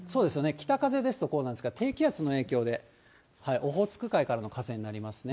北風ですと、こうなんですが、低気圧の影響で、オホーツク海からの風になりますね。